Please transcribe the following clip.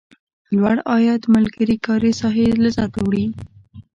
لوړ عاید ملګري کاري ساحې لذت وړي.